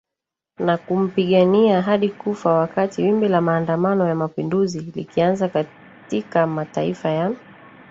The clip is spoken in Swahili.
na kumpigania hadi kufa Wakati wimbi la maandamano ya mapinduzi likianza katika mataifa ya